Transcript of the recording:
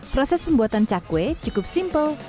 proses pembuatan cakwe cukup simpel